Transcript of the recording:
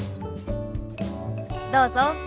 どうぞ。